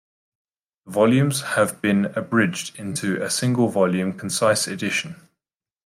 The volumes have been abridged into a single-volume, concise edition.